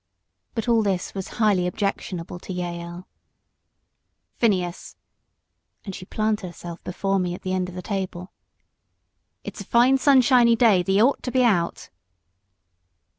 But all this was highly objectionable to Jael. "Phineas!" and she planted herself before me at the end of the table "it's a fine, sunshiny day: thee ought to be out."